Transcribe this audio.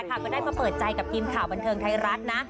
ก็ได้มาเปิดใจกับทีมข่าวบันเทิงไทยรัฐนะ